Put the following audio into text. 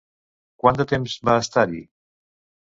Quant de temps va estar-hi?